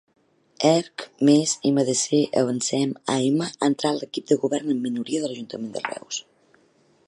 ERC-MES-MDC-Avancem-AM ha entrat l'equip de govern en minoria de l'Ajuntament de Reus.